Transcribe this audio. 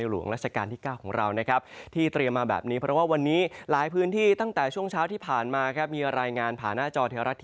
หมู่ดอกไม้ชวนพะมอนร่อนช้อ